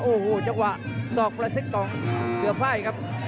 โอ้โหจังหวะสอกกระซิบของเสือไฟ่ครับ